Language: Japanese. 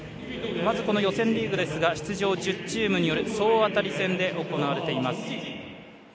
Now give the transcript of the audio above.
まず、この予選リーグ出場１０チームによる総当たり戦で行われています。